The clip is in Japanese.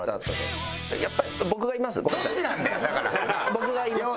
僕が言います。